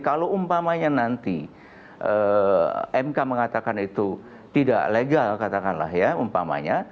kalau umpamanya nanti mk mengatakan itu tidak legal katakanlah ya umpamanya